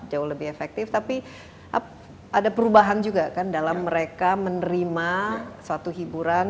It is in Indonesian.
jauh lebih efektif tapi ada perubahan juga kan dalam mereka menerima suatu hiburan